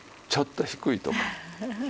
ちょっと低いとか。